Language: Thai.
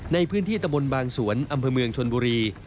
ในพื้นที่ตะบนบางสวนอำเภอเมืองชนบุรี